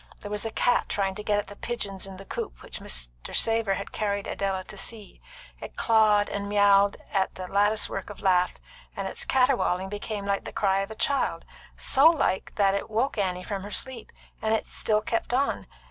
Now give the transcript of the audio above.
There was a cat trying to get at the pigeons in the coop which Mr. Savor had carried Idella to see. It clawed and miauled at the lattice work of lath, and its caterwauling became like the cry of a child, so like that it woke Annie from her sleep, and still kept on.